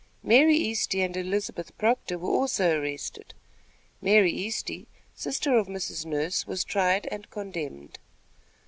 Mary Easty and Elizabeth Proctor were also arrested. Mary Easty, sister of Mrs. Nurse, was tried and condemned.